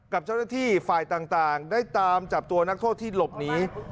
กับเจ้าหน้าที่ฝ่ายต่างได้ตามจับตัวนักโทษที่หลบหนี